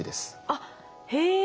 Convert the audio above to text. あっへえ